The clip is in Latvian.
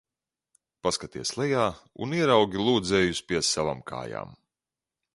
Paskaties lejā un ieraugi lūdzējus pie savām kājām!